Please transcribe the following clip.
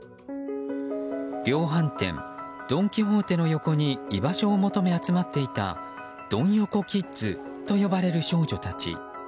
量販店ドン・キホーテの横に居場所を求め集まっていたドン横キッズと呼ばれる少女たち。